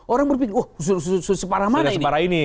orang berpikir wah separah mana iparah ini